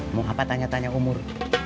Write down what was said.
mau apa tanya tanya umur